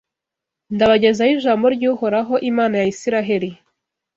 Ndabagezaho ijambo ry’Uhoraho, Imana ya Isiraheli